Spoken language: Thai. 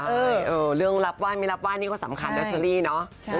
เรื่องรับไห้ไม่รับไห้นี่ก็สำคัญนะเชอรี่เนอะ